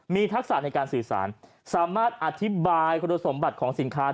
มีทักษะในการสื่อสารสามารถอธิบายคุณสมบัติของสินค้า